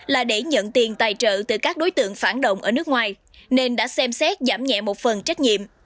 là để nhận tiền tài trợ từ các đối tượng phản động ở nước ngoài nên đã xem xét giảm nhẹ một phần trách nhiệm